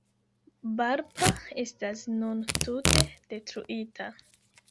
Barpa estas nun tute detruita.